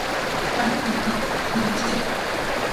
Panolti, notoka, nimomachtia